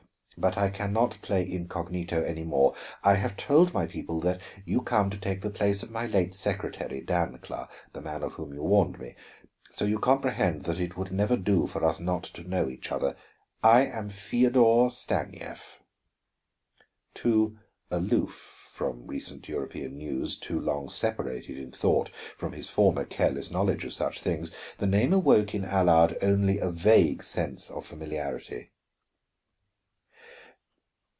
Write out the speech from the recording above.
But I can not play incognito any more. I have told my people that you come to take the place of my late secretary, Dancla the man of whom you warned me so you comprehend that it would never do for us not to know each other. I am Feodor Stanief." Too aloof from recent European news, too long separated in thought from his former careless knowledge of such things, the name awoke in Allard only a vague sense of familiarity.